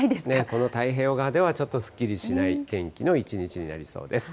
この太平洋側ではちょっとすっきりしない天気の一日になりそうです。